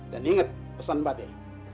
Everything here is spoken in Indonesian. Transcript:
dan inget pesan bate